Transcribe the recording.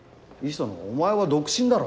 磯野お前は独身だろ。